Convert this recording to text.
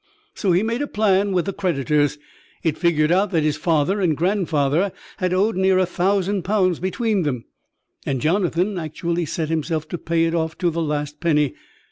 So he made a plan with the creditors. It figured out that his father and grandfather had owed near a thousand pound between them; and Jonathan actually set himself to pay it off to the last penny.